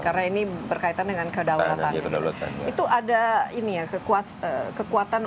karena ini berkaitan dengan kedaulatan